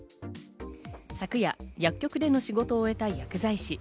昨夜、薬局での仕事を終えた薬剤師。